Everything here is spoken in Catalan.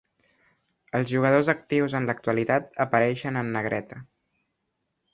Els jugadors actius en l'actualitat apareixen en negreta.